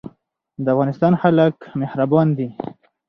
د افغانستان خلک مهربان دي